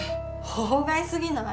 法外過ぎない？